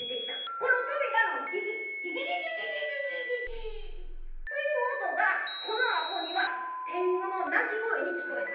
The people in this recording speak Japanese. この扉のギギギギギギギギーという音がこのアホには天狗の鳴き声に聞こえた。